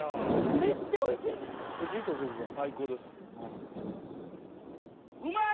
めっちゃおいしいですうまい！